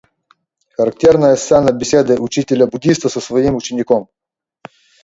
Характерная сцена беседы учителя-буддиста со своим учеником.